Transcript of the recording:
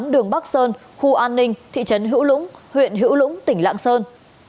đường bắc sơn khu an ninh thị trấn hữu lũng huyện hữu lũng tỉnh lạng sơn